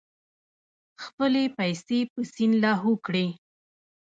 خپلې پیسې په سیند لاهو کړې.